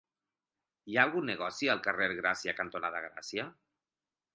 Hi ha algun negoci al carrer Gràcia cantonada Gràcia?